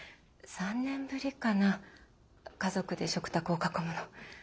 ３年ぶりかな家族で食卓を囲むの。